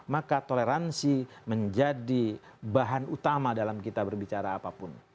maka toleransi menjadi bahan utama dalam kita berbicara apapun